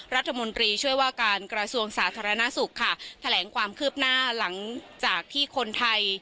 รัฐมนตรีช่วยว่าการกระทรวงสาธารณสุขค่ะแถลงความคืบหน้าหลังจากที่คนไทย